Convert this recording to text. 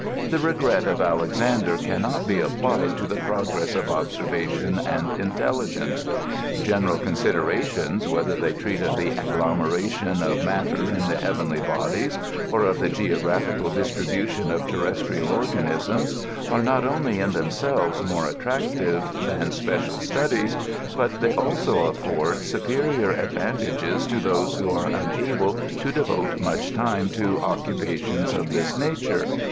The regret of Alexaiidee can not bo^ applied to the pfcgress of observation and inteUigenoe. t Gonersd considerations, whether they treat of the agglomeration c/[ matter in the heavenly bodies, or of the geographicaJ dis^botioA ^ tiffrestrial: organismO, are not only in themsehres more attractive thaR qieeial studies, but they also afibrd superier advantage* to those who are unable to devote much time to oooopa^ns of this nature.